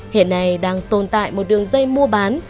hiện nay đang tồn tại một đường dây mua bán